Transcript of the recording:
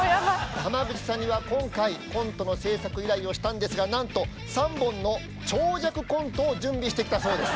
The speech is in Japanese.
浜口さんには今回コントの制作依頼をしたんですがなんと３本の長尺コントを準備してきたそうです。